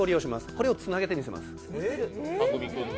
これをつなげてみせます。